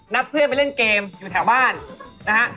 เพื่อนไปเล่นเกมอยู่แถวบ้านนะฮะ